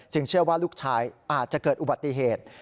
เชื่อว่าลูกชายอาจจะเกิดอุบัติเหตุ